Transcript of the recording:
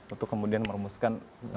untuk kemudian merumuskan